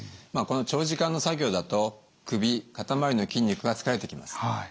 この長時間の作業だと首肩周りの筋肉が疲れてきます。